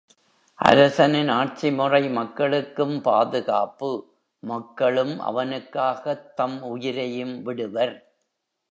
அரசனின் ஆட்சிமுறை மக்களுக்கும் பாதுகாப்பு மக்களும் அவனுக்காகத் தம் உயிரையும் விடுவர்.